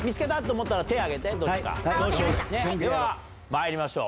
ではまいりましょう。